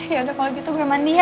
yaudah kalau gitu gue mandi ya